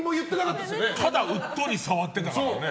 ただうっとり触ってたからね。